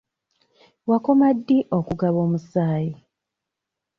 Wakoma ddi okugaba omusaayi?